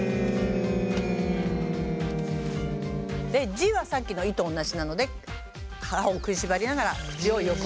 「じ」はさっきの「い」とおんなじなので歯を食いしばりながら口を横に。